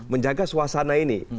menjaga suasana ini